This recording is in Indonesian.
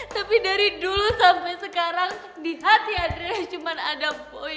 tapi dari dulu sampai sekarang di hati adre cuma ada